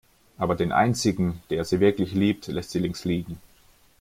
Aber den einzigen, der sie wirklich liebt, lässt sie links liegen.